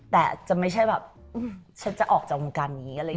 แต่จะไม่ใช่แบบฉันจะออกจากวงการนี้